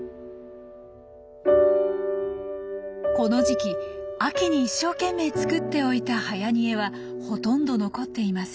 この時期秋に一生懸命作っておいたはやにえはほとんど残っていません。